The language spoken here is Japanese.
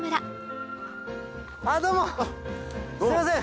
すいません。